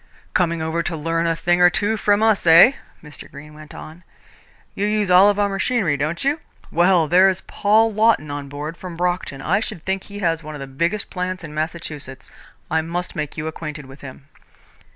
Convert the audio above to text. "Coming over to learn a thing or two from us, eh?" Mr. Greene went on. "You use all our machinery, don't you? Well, there's Paul Lawton on board, from Brockton. I should think he has one of the biggest plants in Massachusetts. I must make you acquainted with him."